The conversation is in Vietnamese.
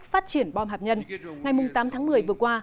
hạt nhân ngày tám tháng một mươi vừa qua